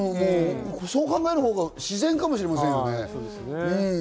そう考えるほうが自然かもしれませんよね。